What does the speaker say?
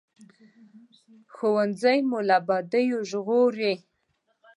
ښوونځی مو له بدیو ژغوري